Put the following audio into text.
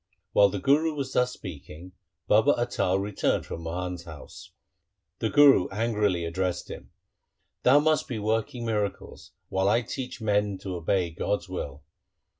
While the Guru was thus speaking, Baba Atal returned from Mohan's house. The Guru angrily addressed him :' Thou must be working miracles, while I teach men to obey God's will.'